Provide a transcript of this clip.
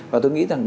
và tôi nghĩ rằng là